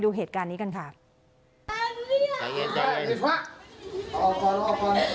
โอ้โฮโอ้โฮ